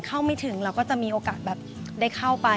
หลังจากไหนเข้าไม่ถึงเราก็จะมีโอกาสแบบได้เข้าไป